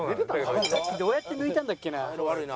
どうやって抜いたんだっけな。